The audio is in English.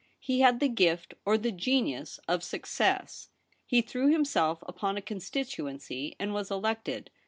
He had the gift or the genius of success. He threw himself upon a constituency, and was elected.